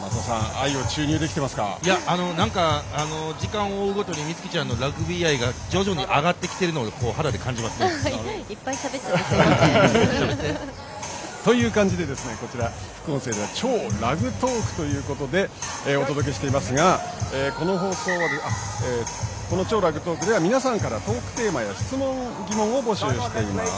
なんか、時間を追うごとに美月ちゃんのラグビー愛が徐々に上がってきているのを肌で感じますね。という感じで副音声は「超ラグトーク！」ということでお届けしていますがこの「超ラグトーク！」では皆さんからトークテーマや質問、疑問を募集しています。